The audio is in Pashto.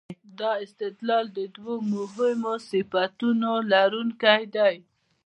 دا استدلال د دوو مهمو صفتونو لرونکی دی.